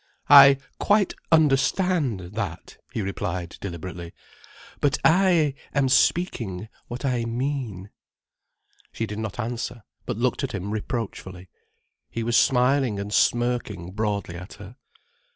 "I quite understand that," he replied deliberately. "But I am speaking what I mean—" She did not answer, but looked at him reproachfully. He was smiling and smirking broadly at her.